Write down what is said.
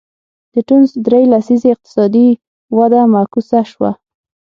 د ټونس درې لسیزې اقتصادي وده معکوسه شوه.